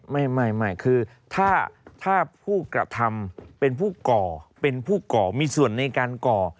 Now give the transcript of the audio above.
ไม่คือถ้าผู้กระทำเป็นผู้ก่อเป็นผู้ก่อมีส่วนในการก่อ